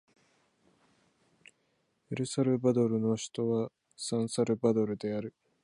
エルサルバドルの首都はサンサルバドルである